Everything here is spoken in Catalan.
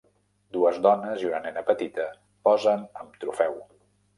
Dues dones i una nena petita posen amb trofeu.